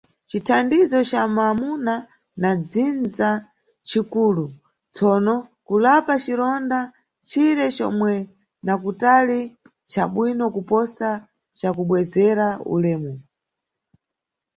Cithandizo ca mamuna na dzindza nchi kulu, tsono kulapa cironda nchire comwe na kutali ncha bwino kuposa ca kubwezera ulemu.